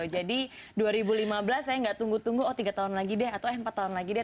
jadi dua ribu lima belas saya gak tunggu tunggu oh tiga tahun lagi deh atau eh empat tahun lagi deh